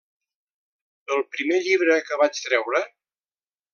El primer llibre que vaig treure?